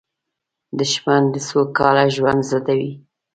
دښمن د سوکاله ژوند ضد وي